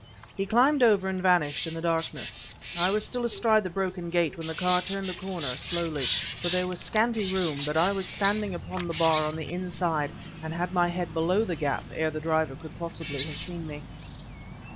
He climbed over and vanished in the darkness. I was still astride the broken gate when the car turned the corner, slowly, for there was scanty room; but I was standing upon the bar on the inside and had my head below the gap ere the driver could possibly have seen me.